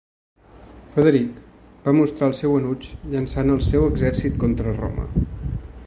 Frederic va mostrar el seu enuig llançant el seu exèrcit contra Roma.